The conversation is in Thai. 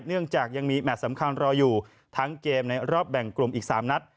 เนื่องจากยังมีแมทสำคัญรออยู่ทั้งเกมในรอบแบ่งกลุ่มอีก๓นัด